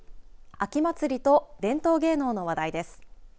秋祭りと伝統芸能の話題です。